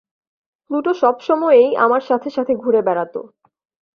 Pluto সবসময়েই আমার সাথে সাথে ঘুরে বেড়াত।